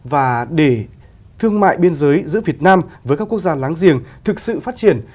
và để thương mại biên giới giữa việt nam với các quốc gia láng giềng thực sự phát triển